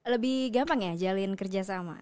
lebih gampang ya jalin kerja sama